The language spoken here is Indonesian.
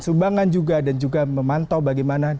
sumbangan juga dan juga memantau bagaimana